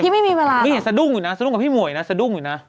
ไม่เห็นสะดุ้งอยู่นะ